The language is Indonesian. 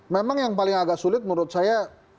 memang yang paling agak sulit menurut saya